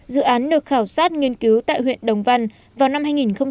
dự án được khảo sát nghiên cứu tại huyện đồng văn vào năm hai nghìn một mươi